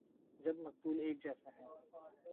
جب مقتول ایک جیسے ہیں۔